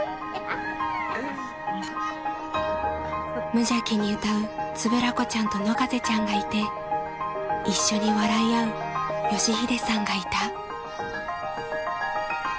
［無邪気に歌う円子ちゃんと野風ちゃんがいて一緒に笑い合う佳秀さんがいた］